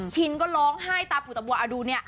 ชินก็ร้องไห้ตาผูตาบัวดูเนี่ย